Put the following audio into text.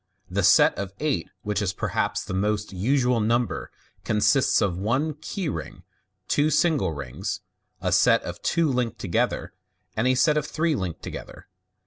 The set of eight, which is perhaps the most usual number, consists of one " key " rfug, two single rings, a set of two linked to gether, and a set of three linked together.